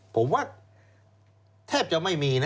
ผมว่าแทบจะไม่มีนะ